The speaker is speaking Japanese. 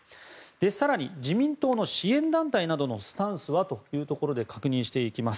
更に自民党の支援団体などのスタンスはというところで確認していきます。